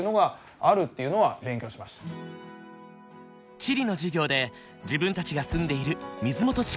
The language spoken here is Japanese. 地理の授業で自分たちが住んでいる水元地区の課題